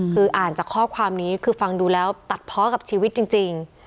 คืออ่านจากข้อความนี้คือฟังดูแล้วตัดเพาะกับชีวิตจริง